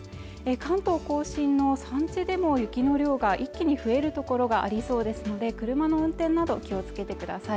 関東甲信の山地でも雪の量が一気に増える所がありそうですので車の運転など気をつけてください